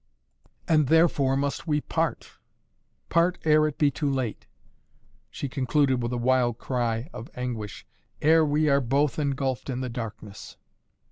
And therefore must we part, part, ere it be too late " she concluded with a wild cry of anguish, "ere we are both engulfed in the darkness."